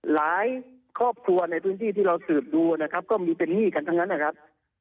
หลายครอบครัวในพื้นที่ที่เราสืบดูนะครับก็มีเป็นหนี้กันทั้งนั้นนะครับ